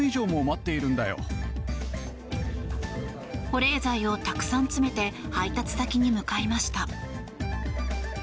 保冷剤をたくさん詰めて配達先に向かいました。